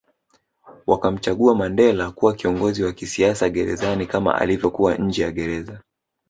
Wakamchagua Mandela kuwa kiongozi wa kisiasa gerezani kama alivyokuwa nje ya Gereza